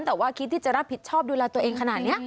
แต่ว่าคิดที่จะรับผิดชอบดูแลตัวเองขนาดนี้